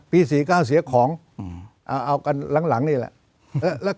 ๔๙เสียของเอากันหลังนี่แหละ